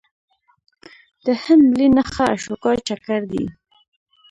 د هند ملي نښه اشوکا چکر دی.